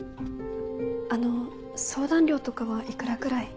あの相談料とかはいくらくらい？